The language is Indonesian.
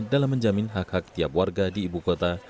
dalam menjamin hak hak tiap warga di ibu kota